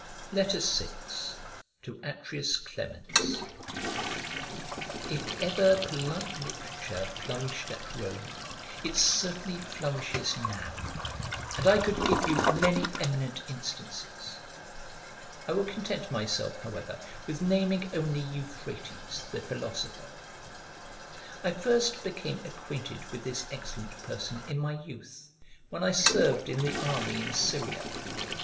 VI To ATRIUS CLEMENS IF ever polite literature flourished at Rome, it certainly flourishes now; and I could give you many eminent instances: I will content myself, however, with naming only Euphrates the philosopher. I first became acquainted with this excellent person in my youth, when I served in the army in Syria.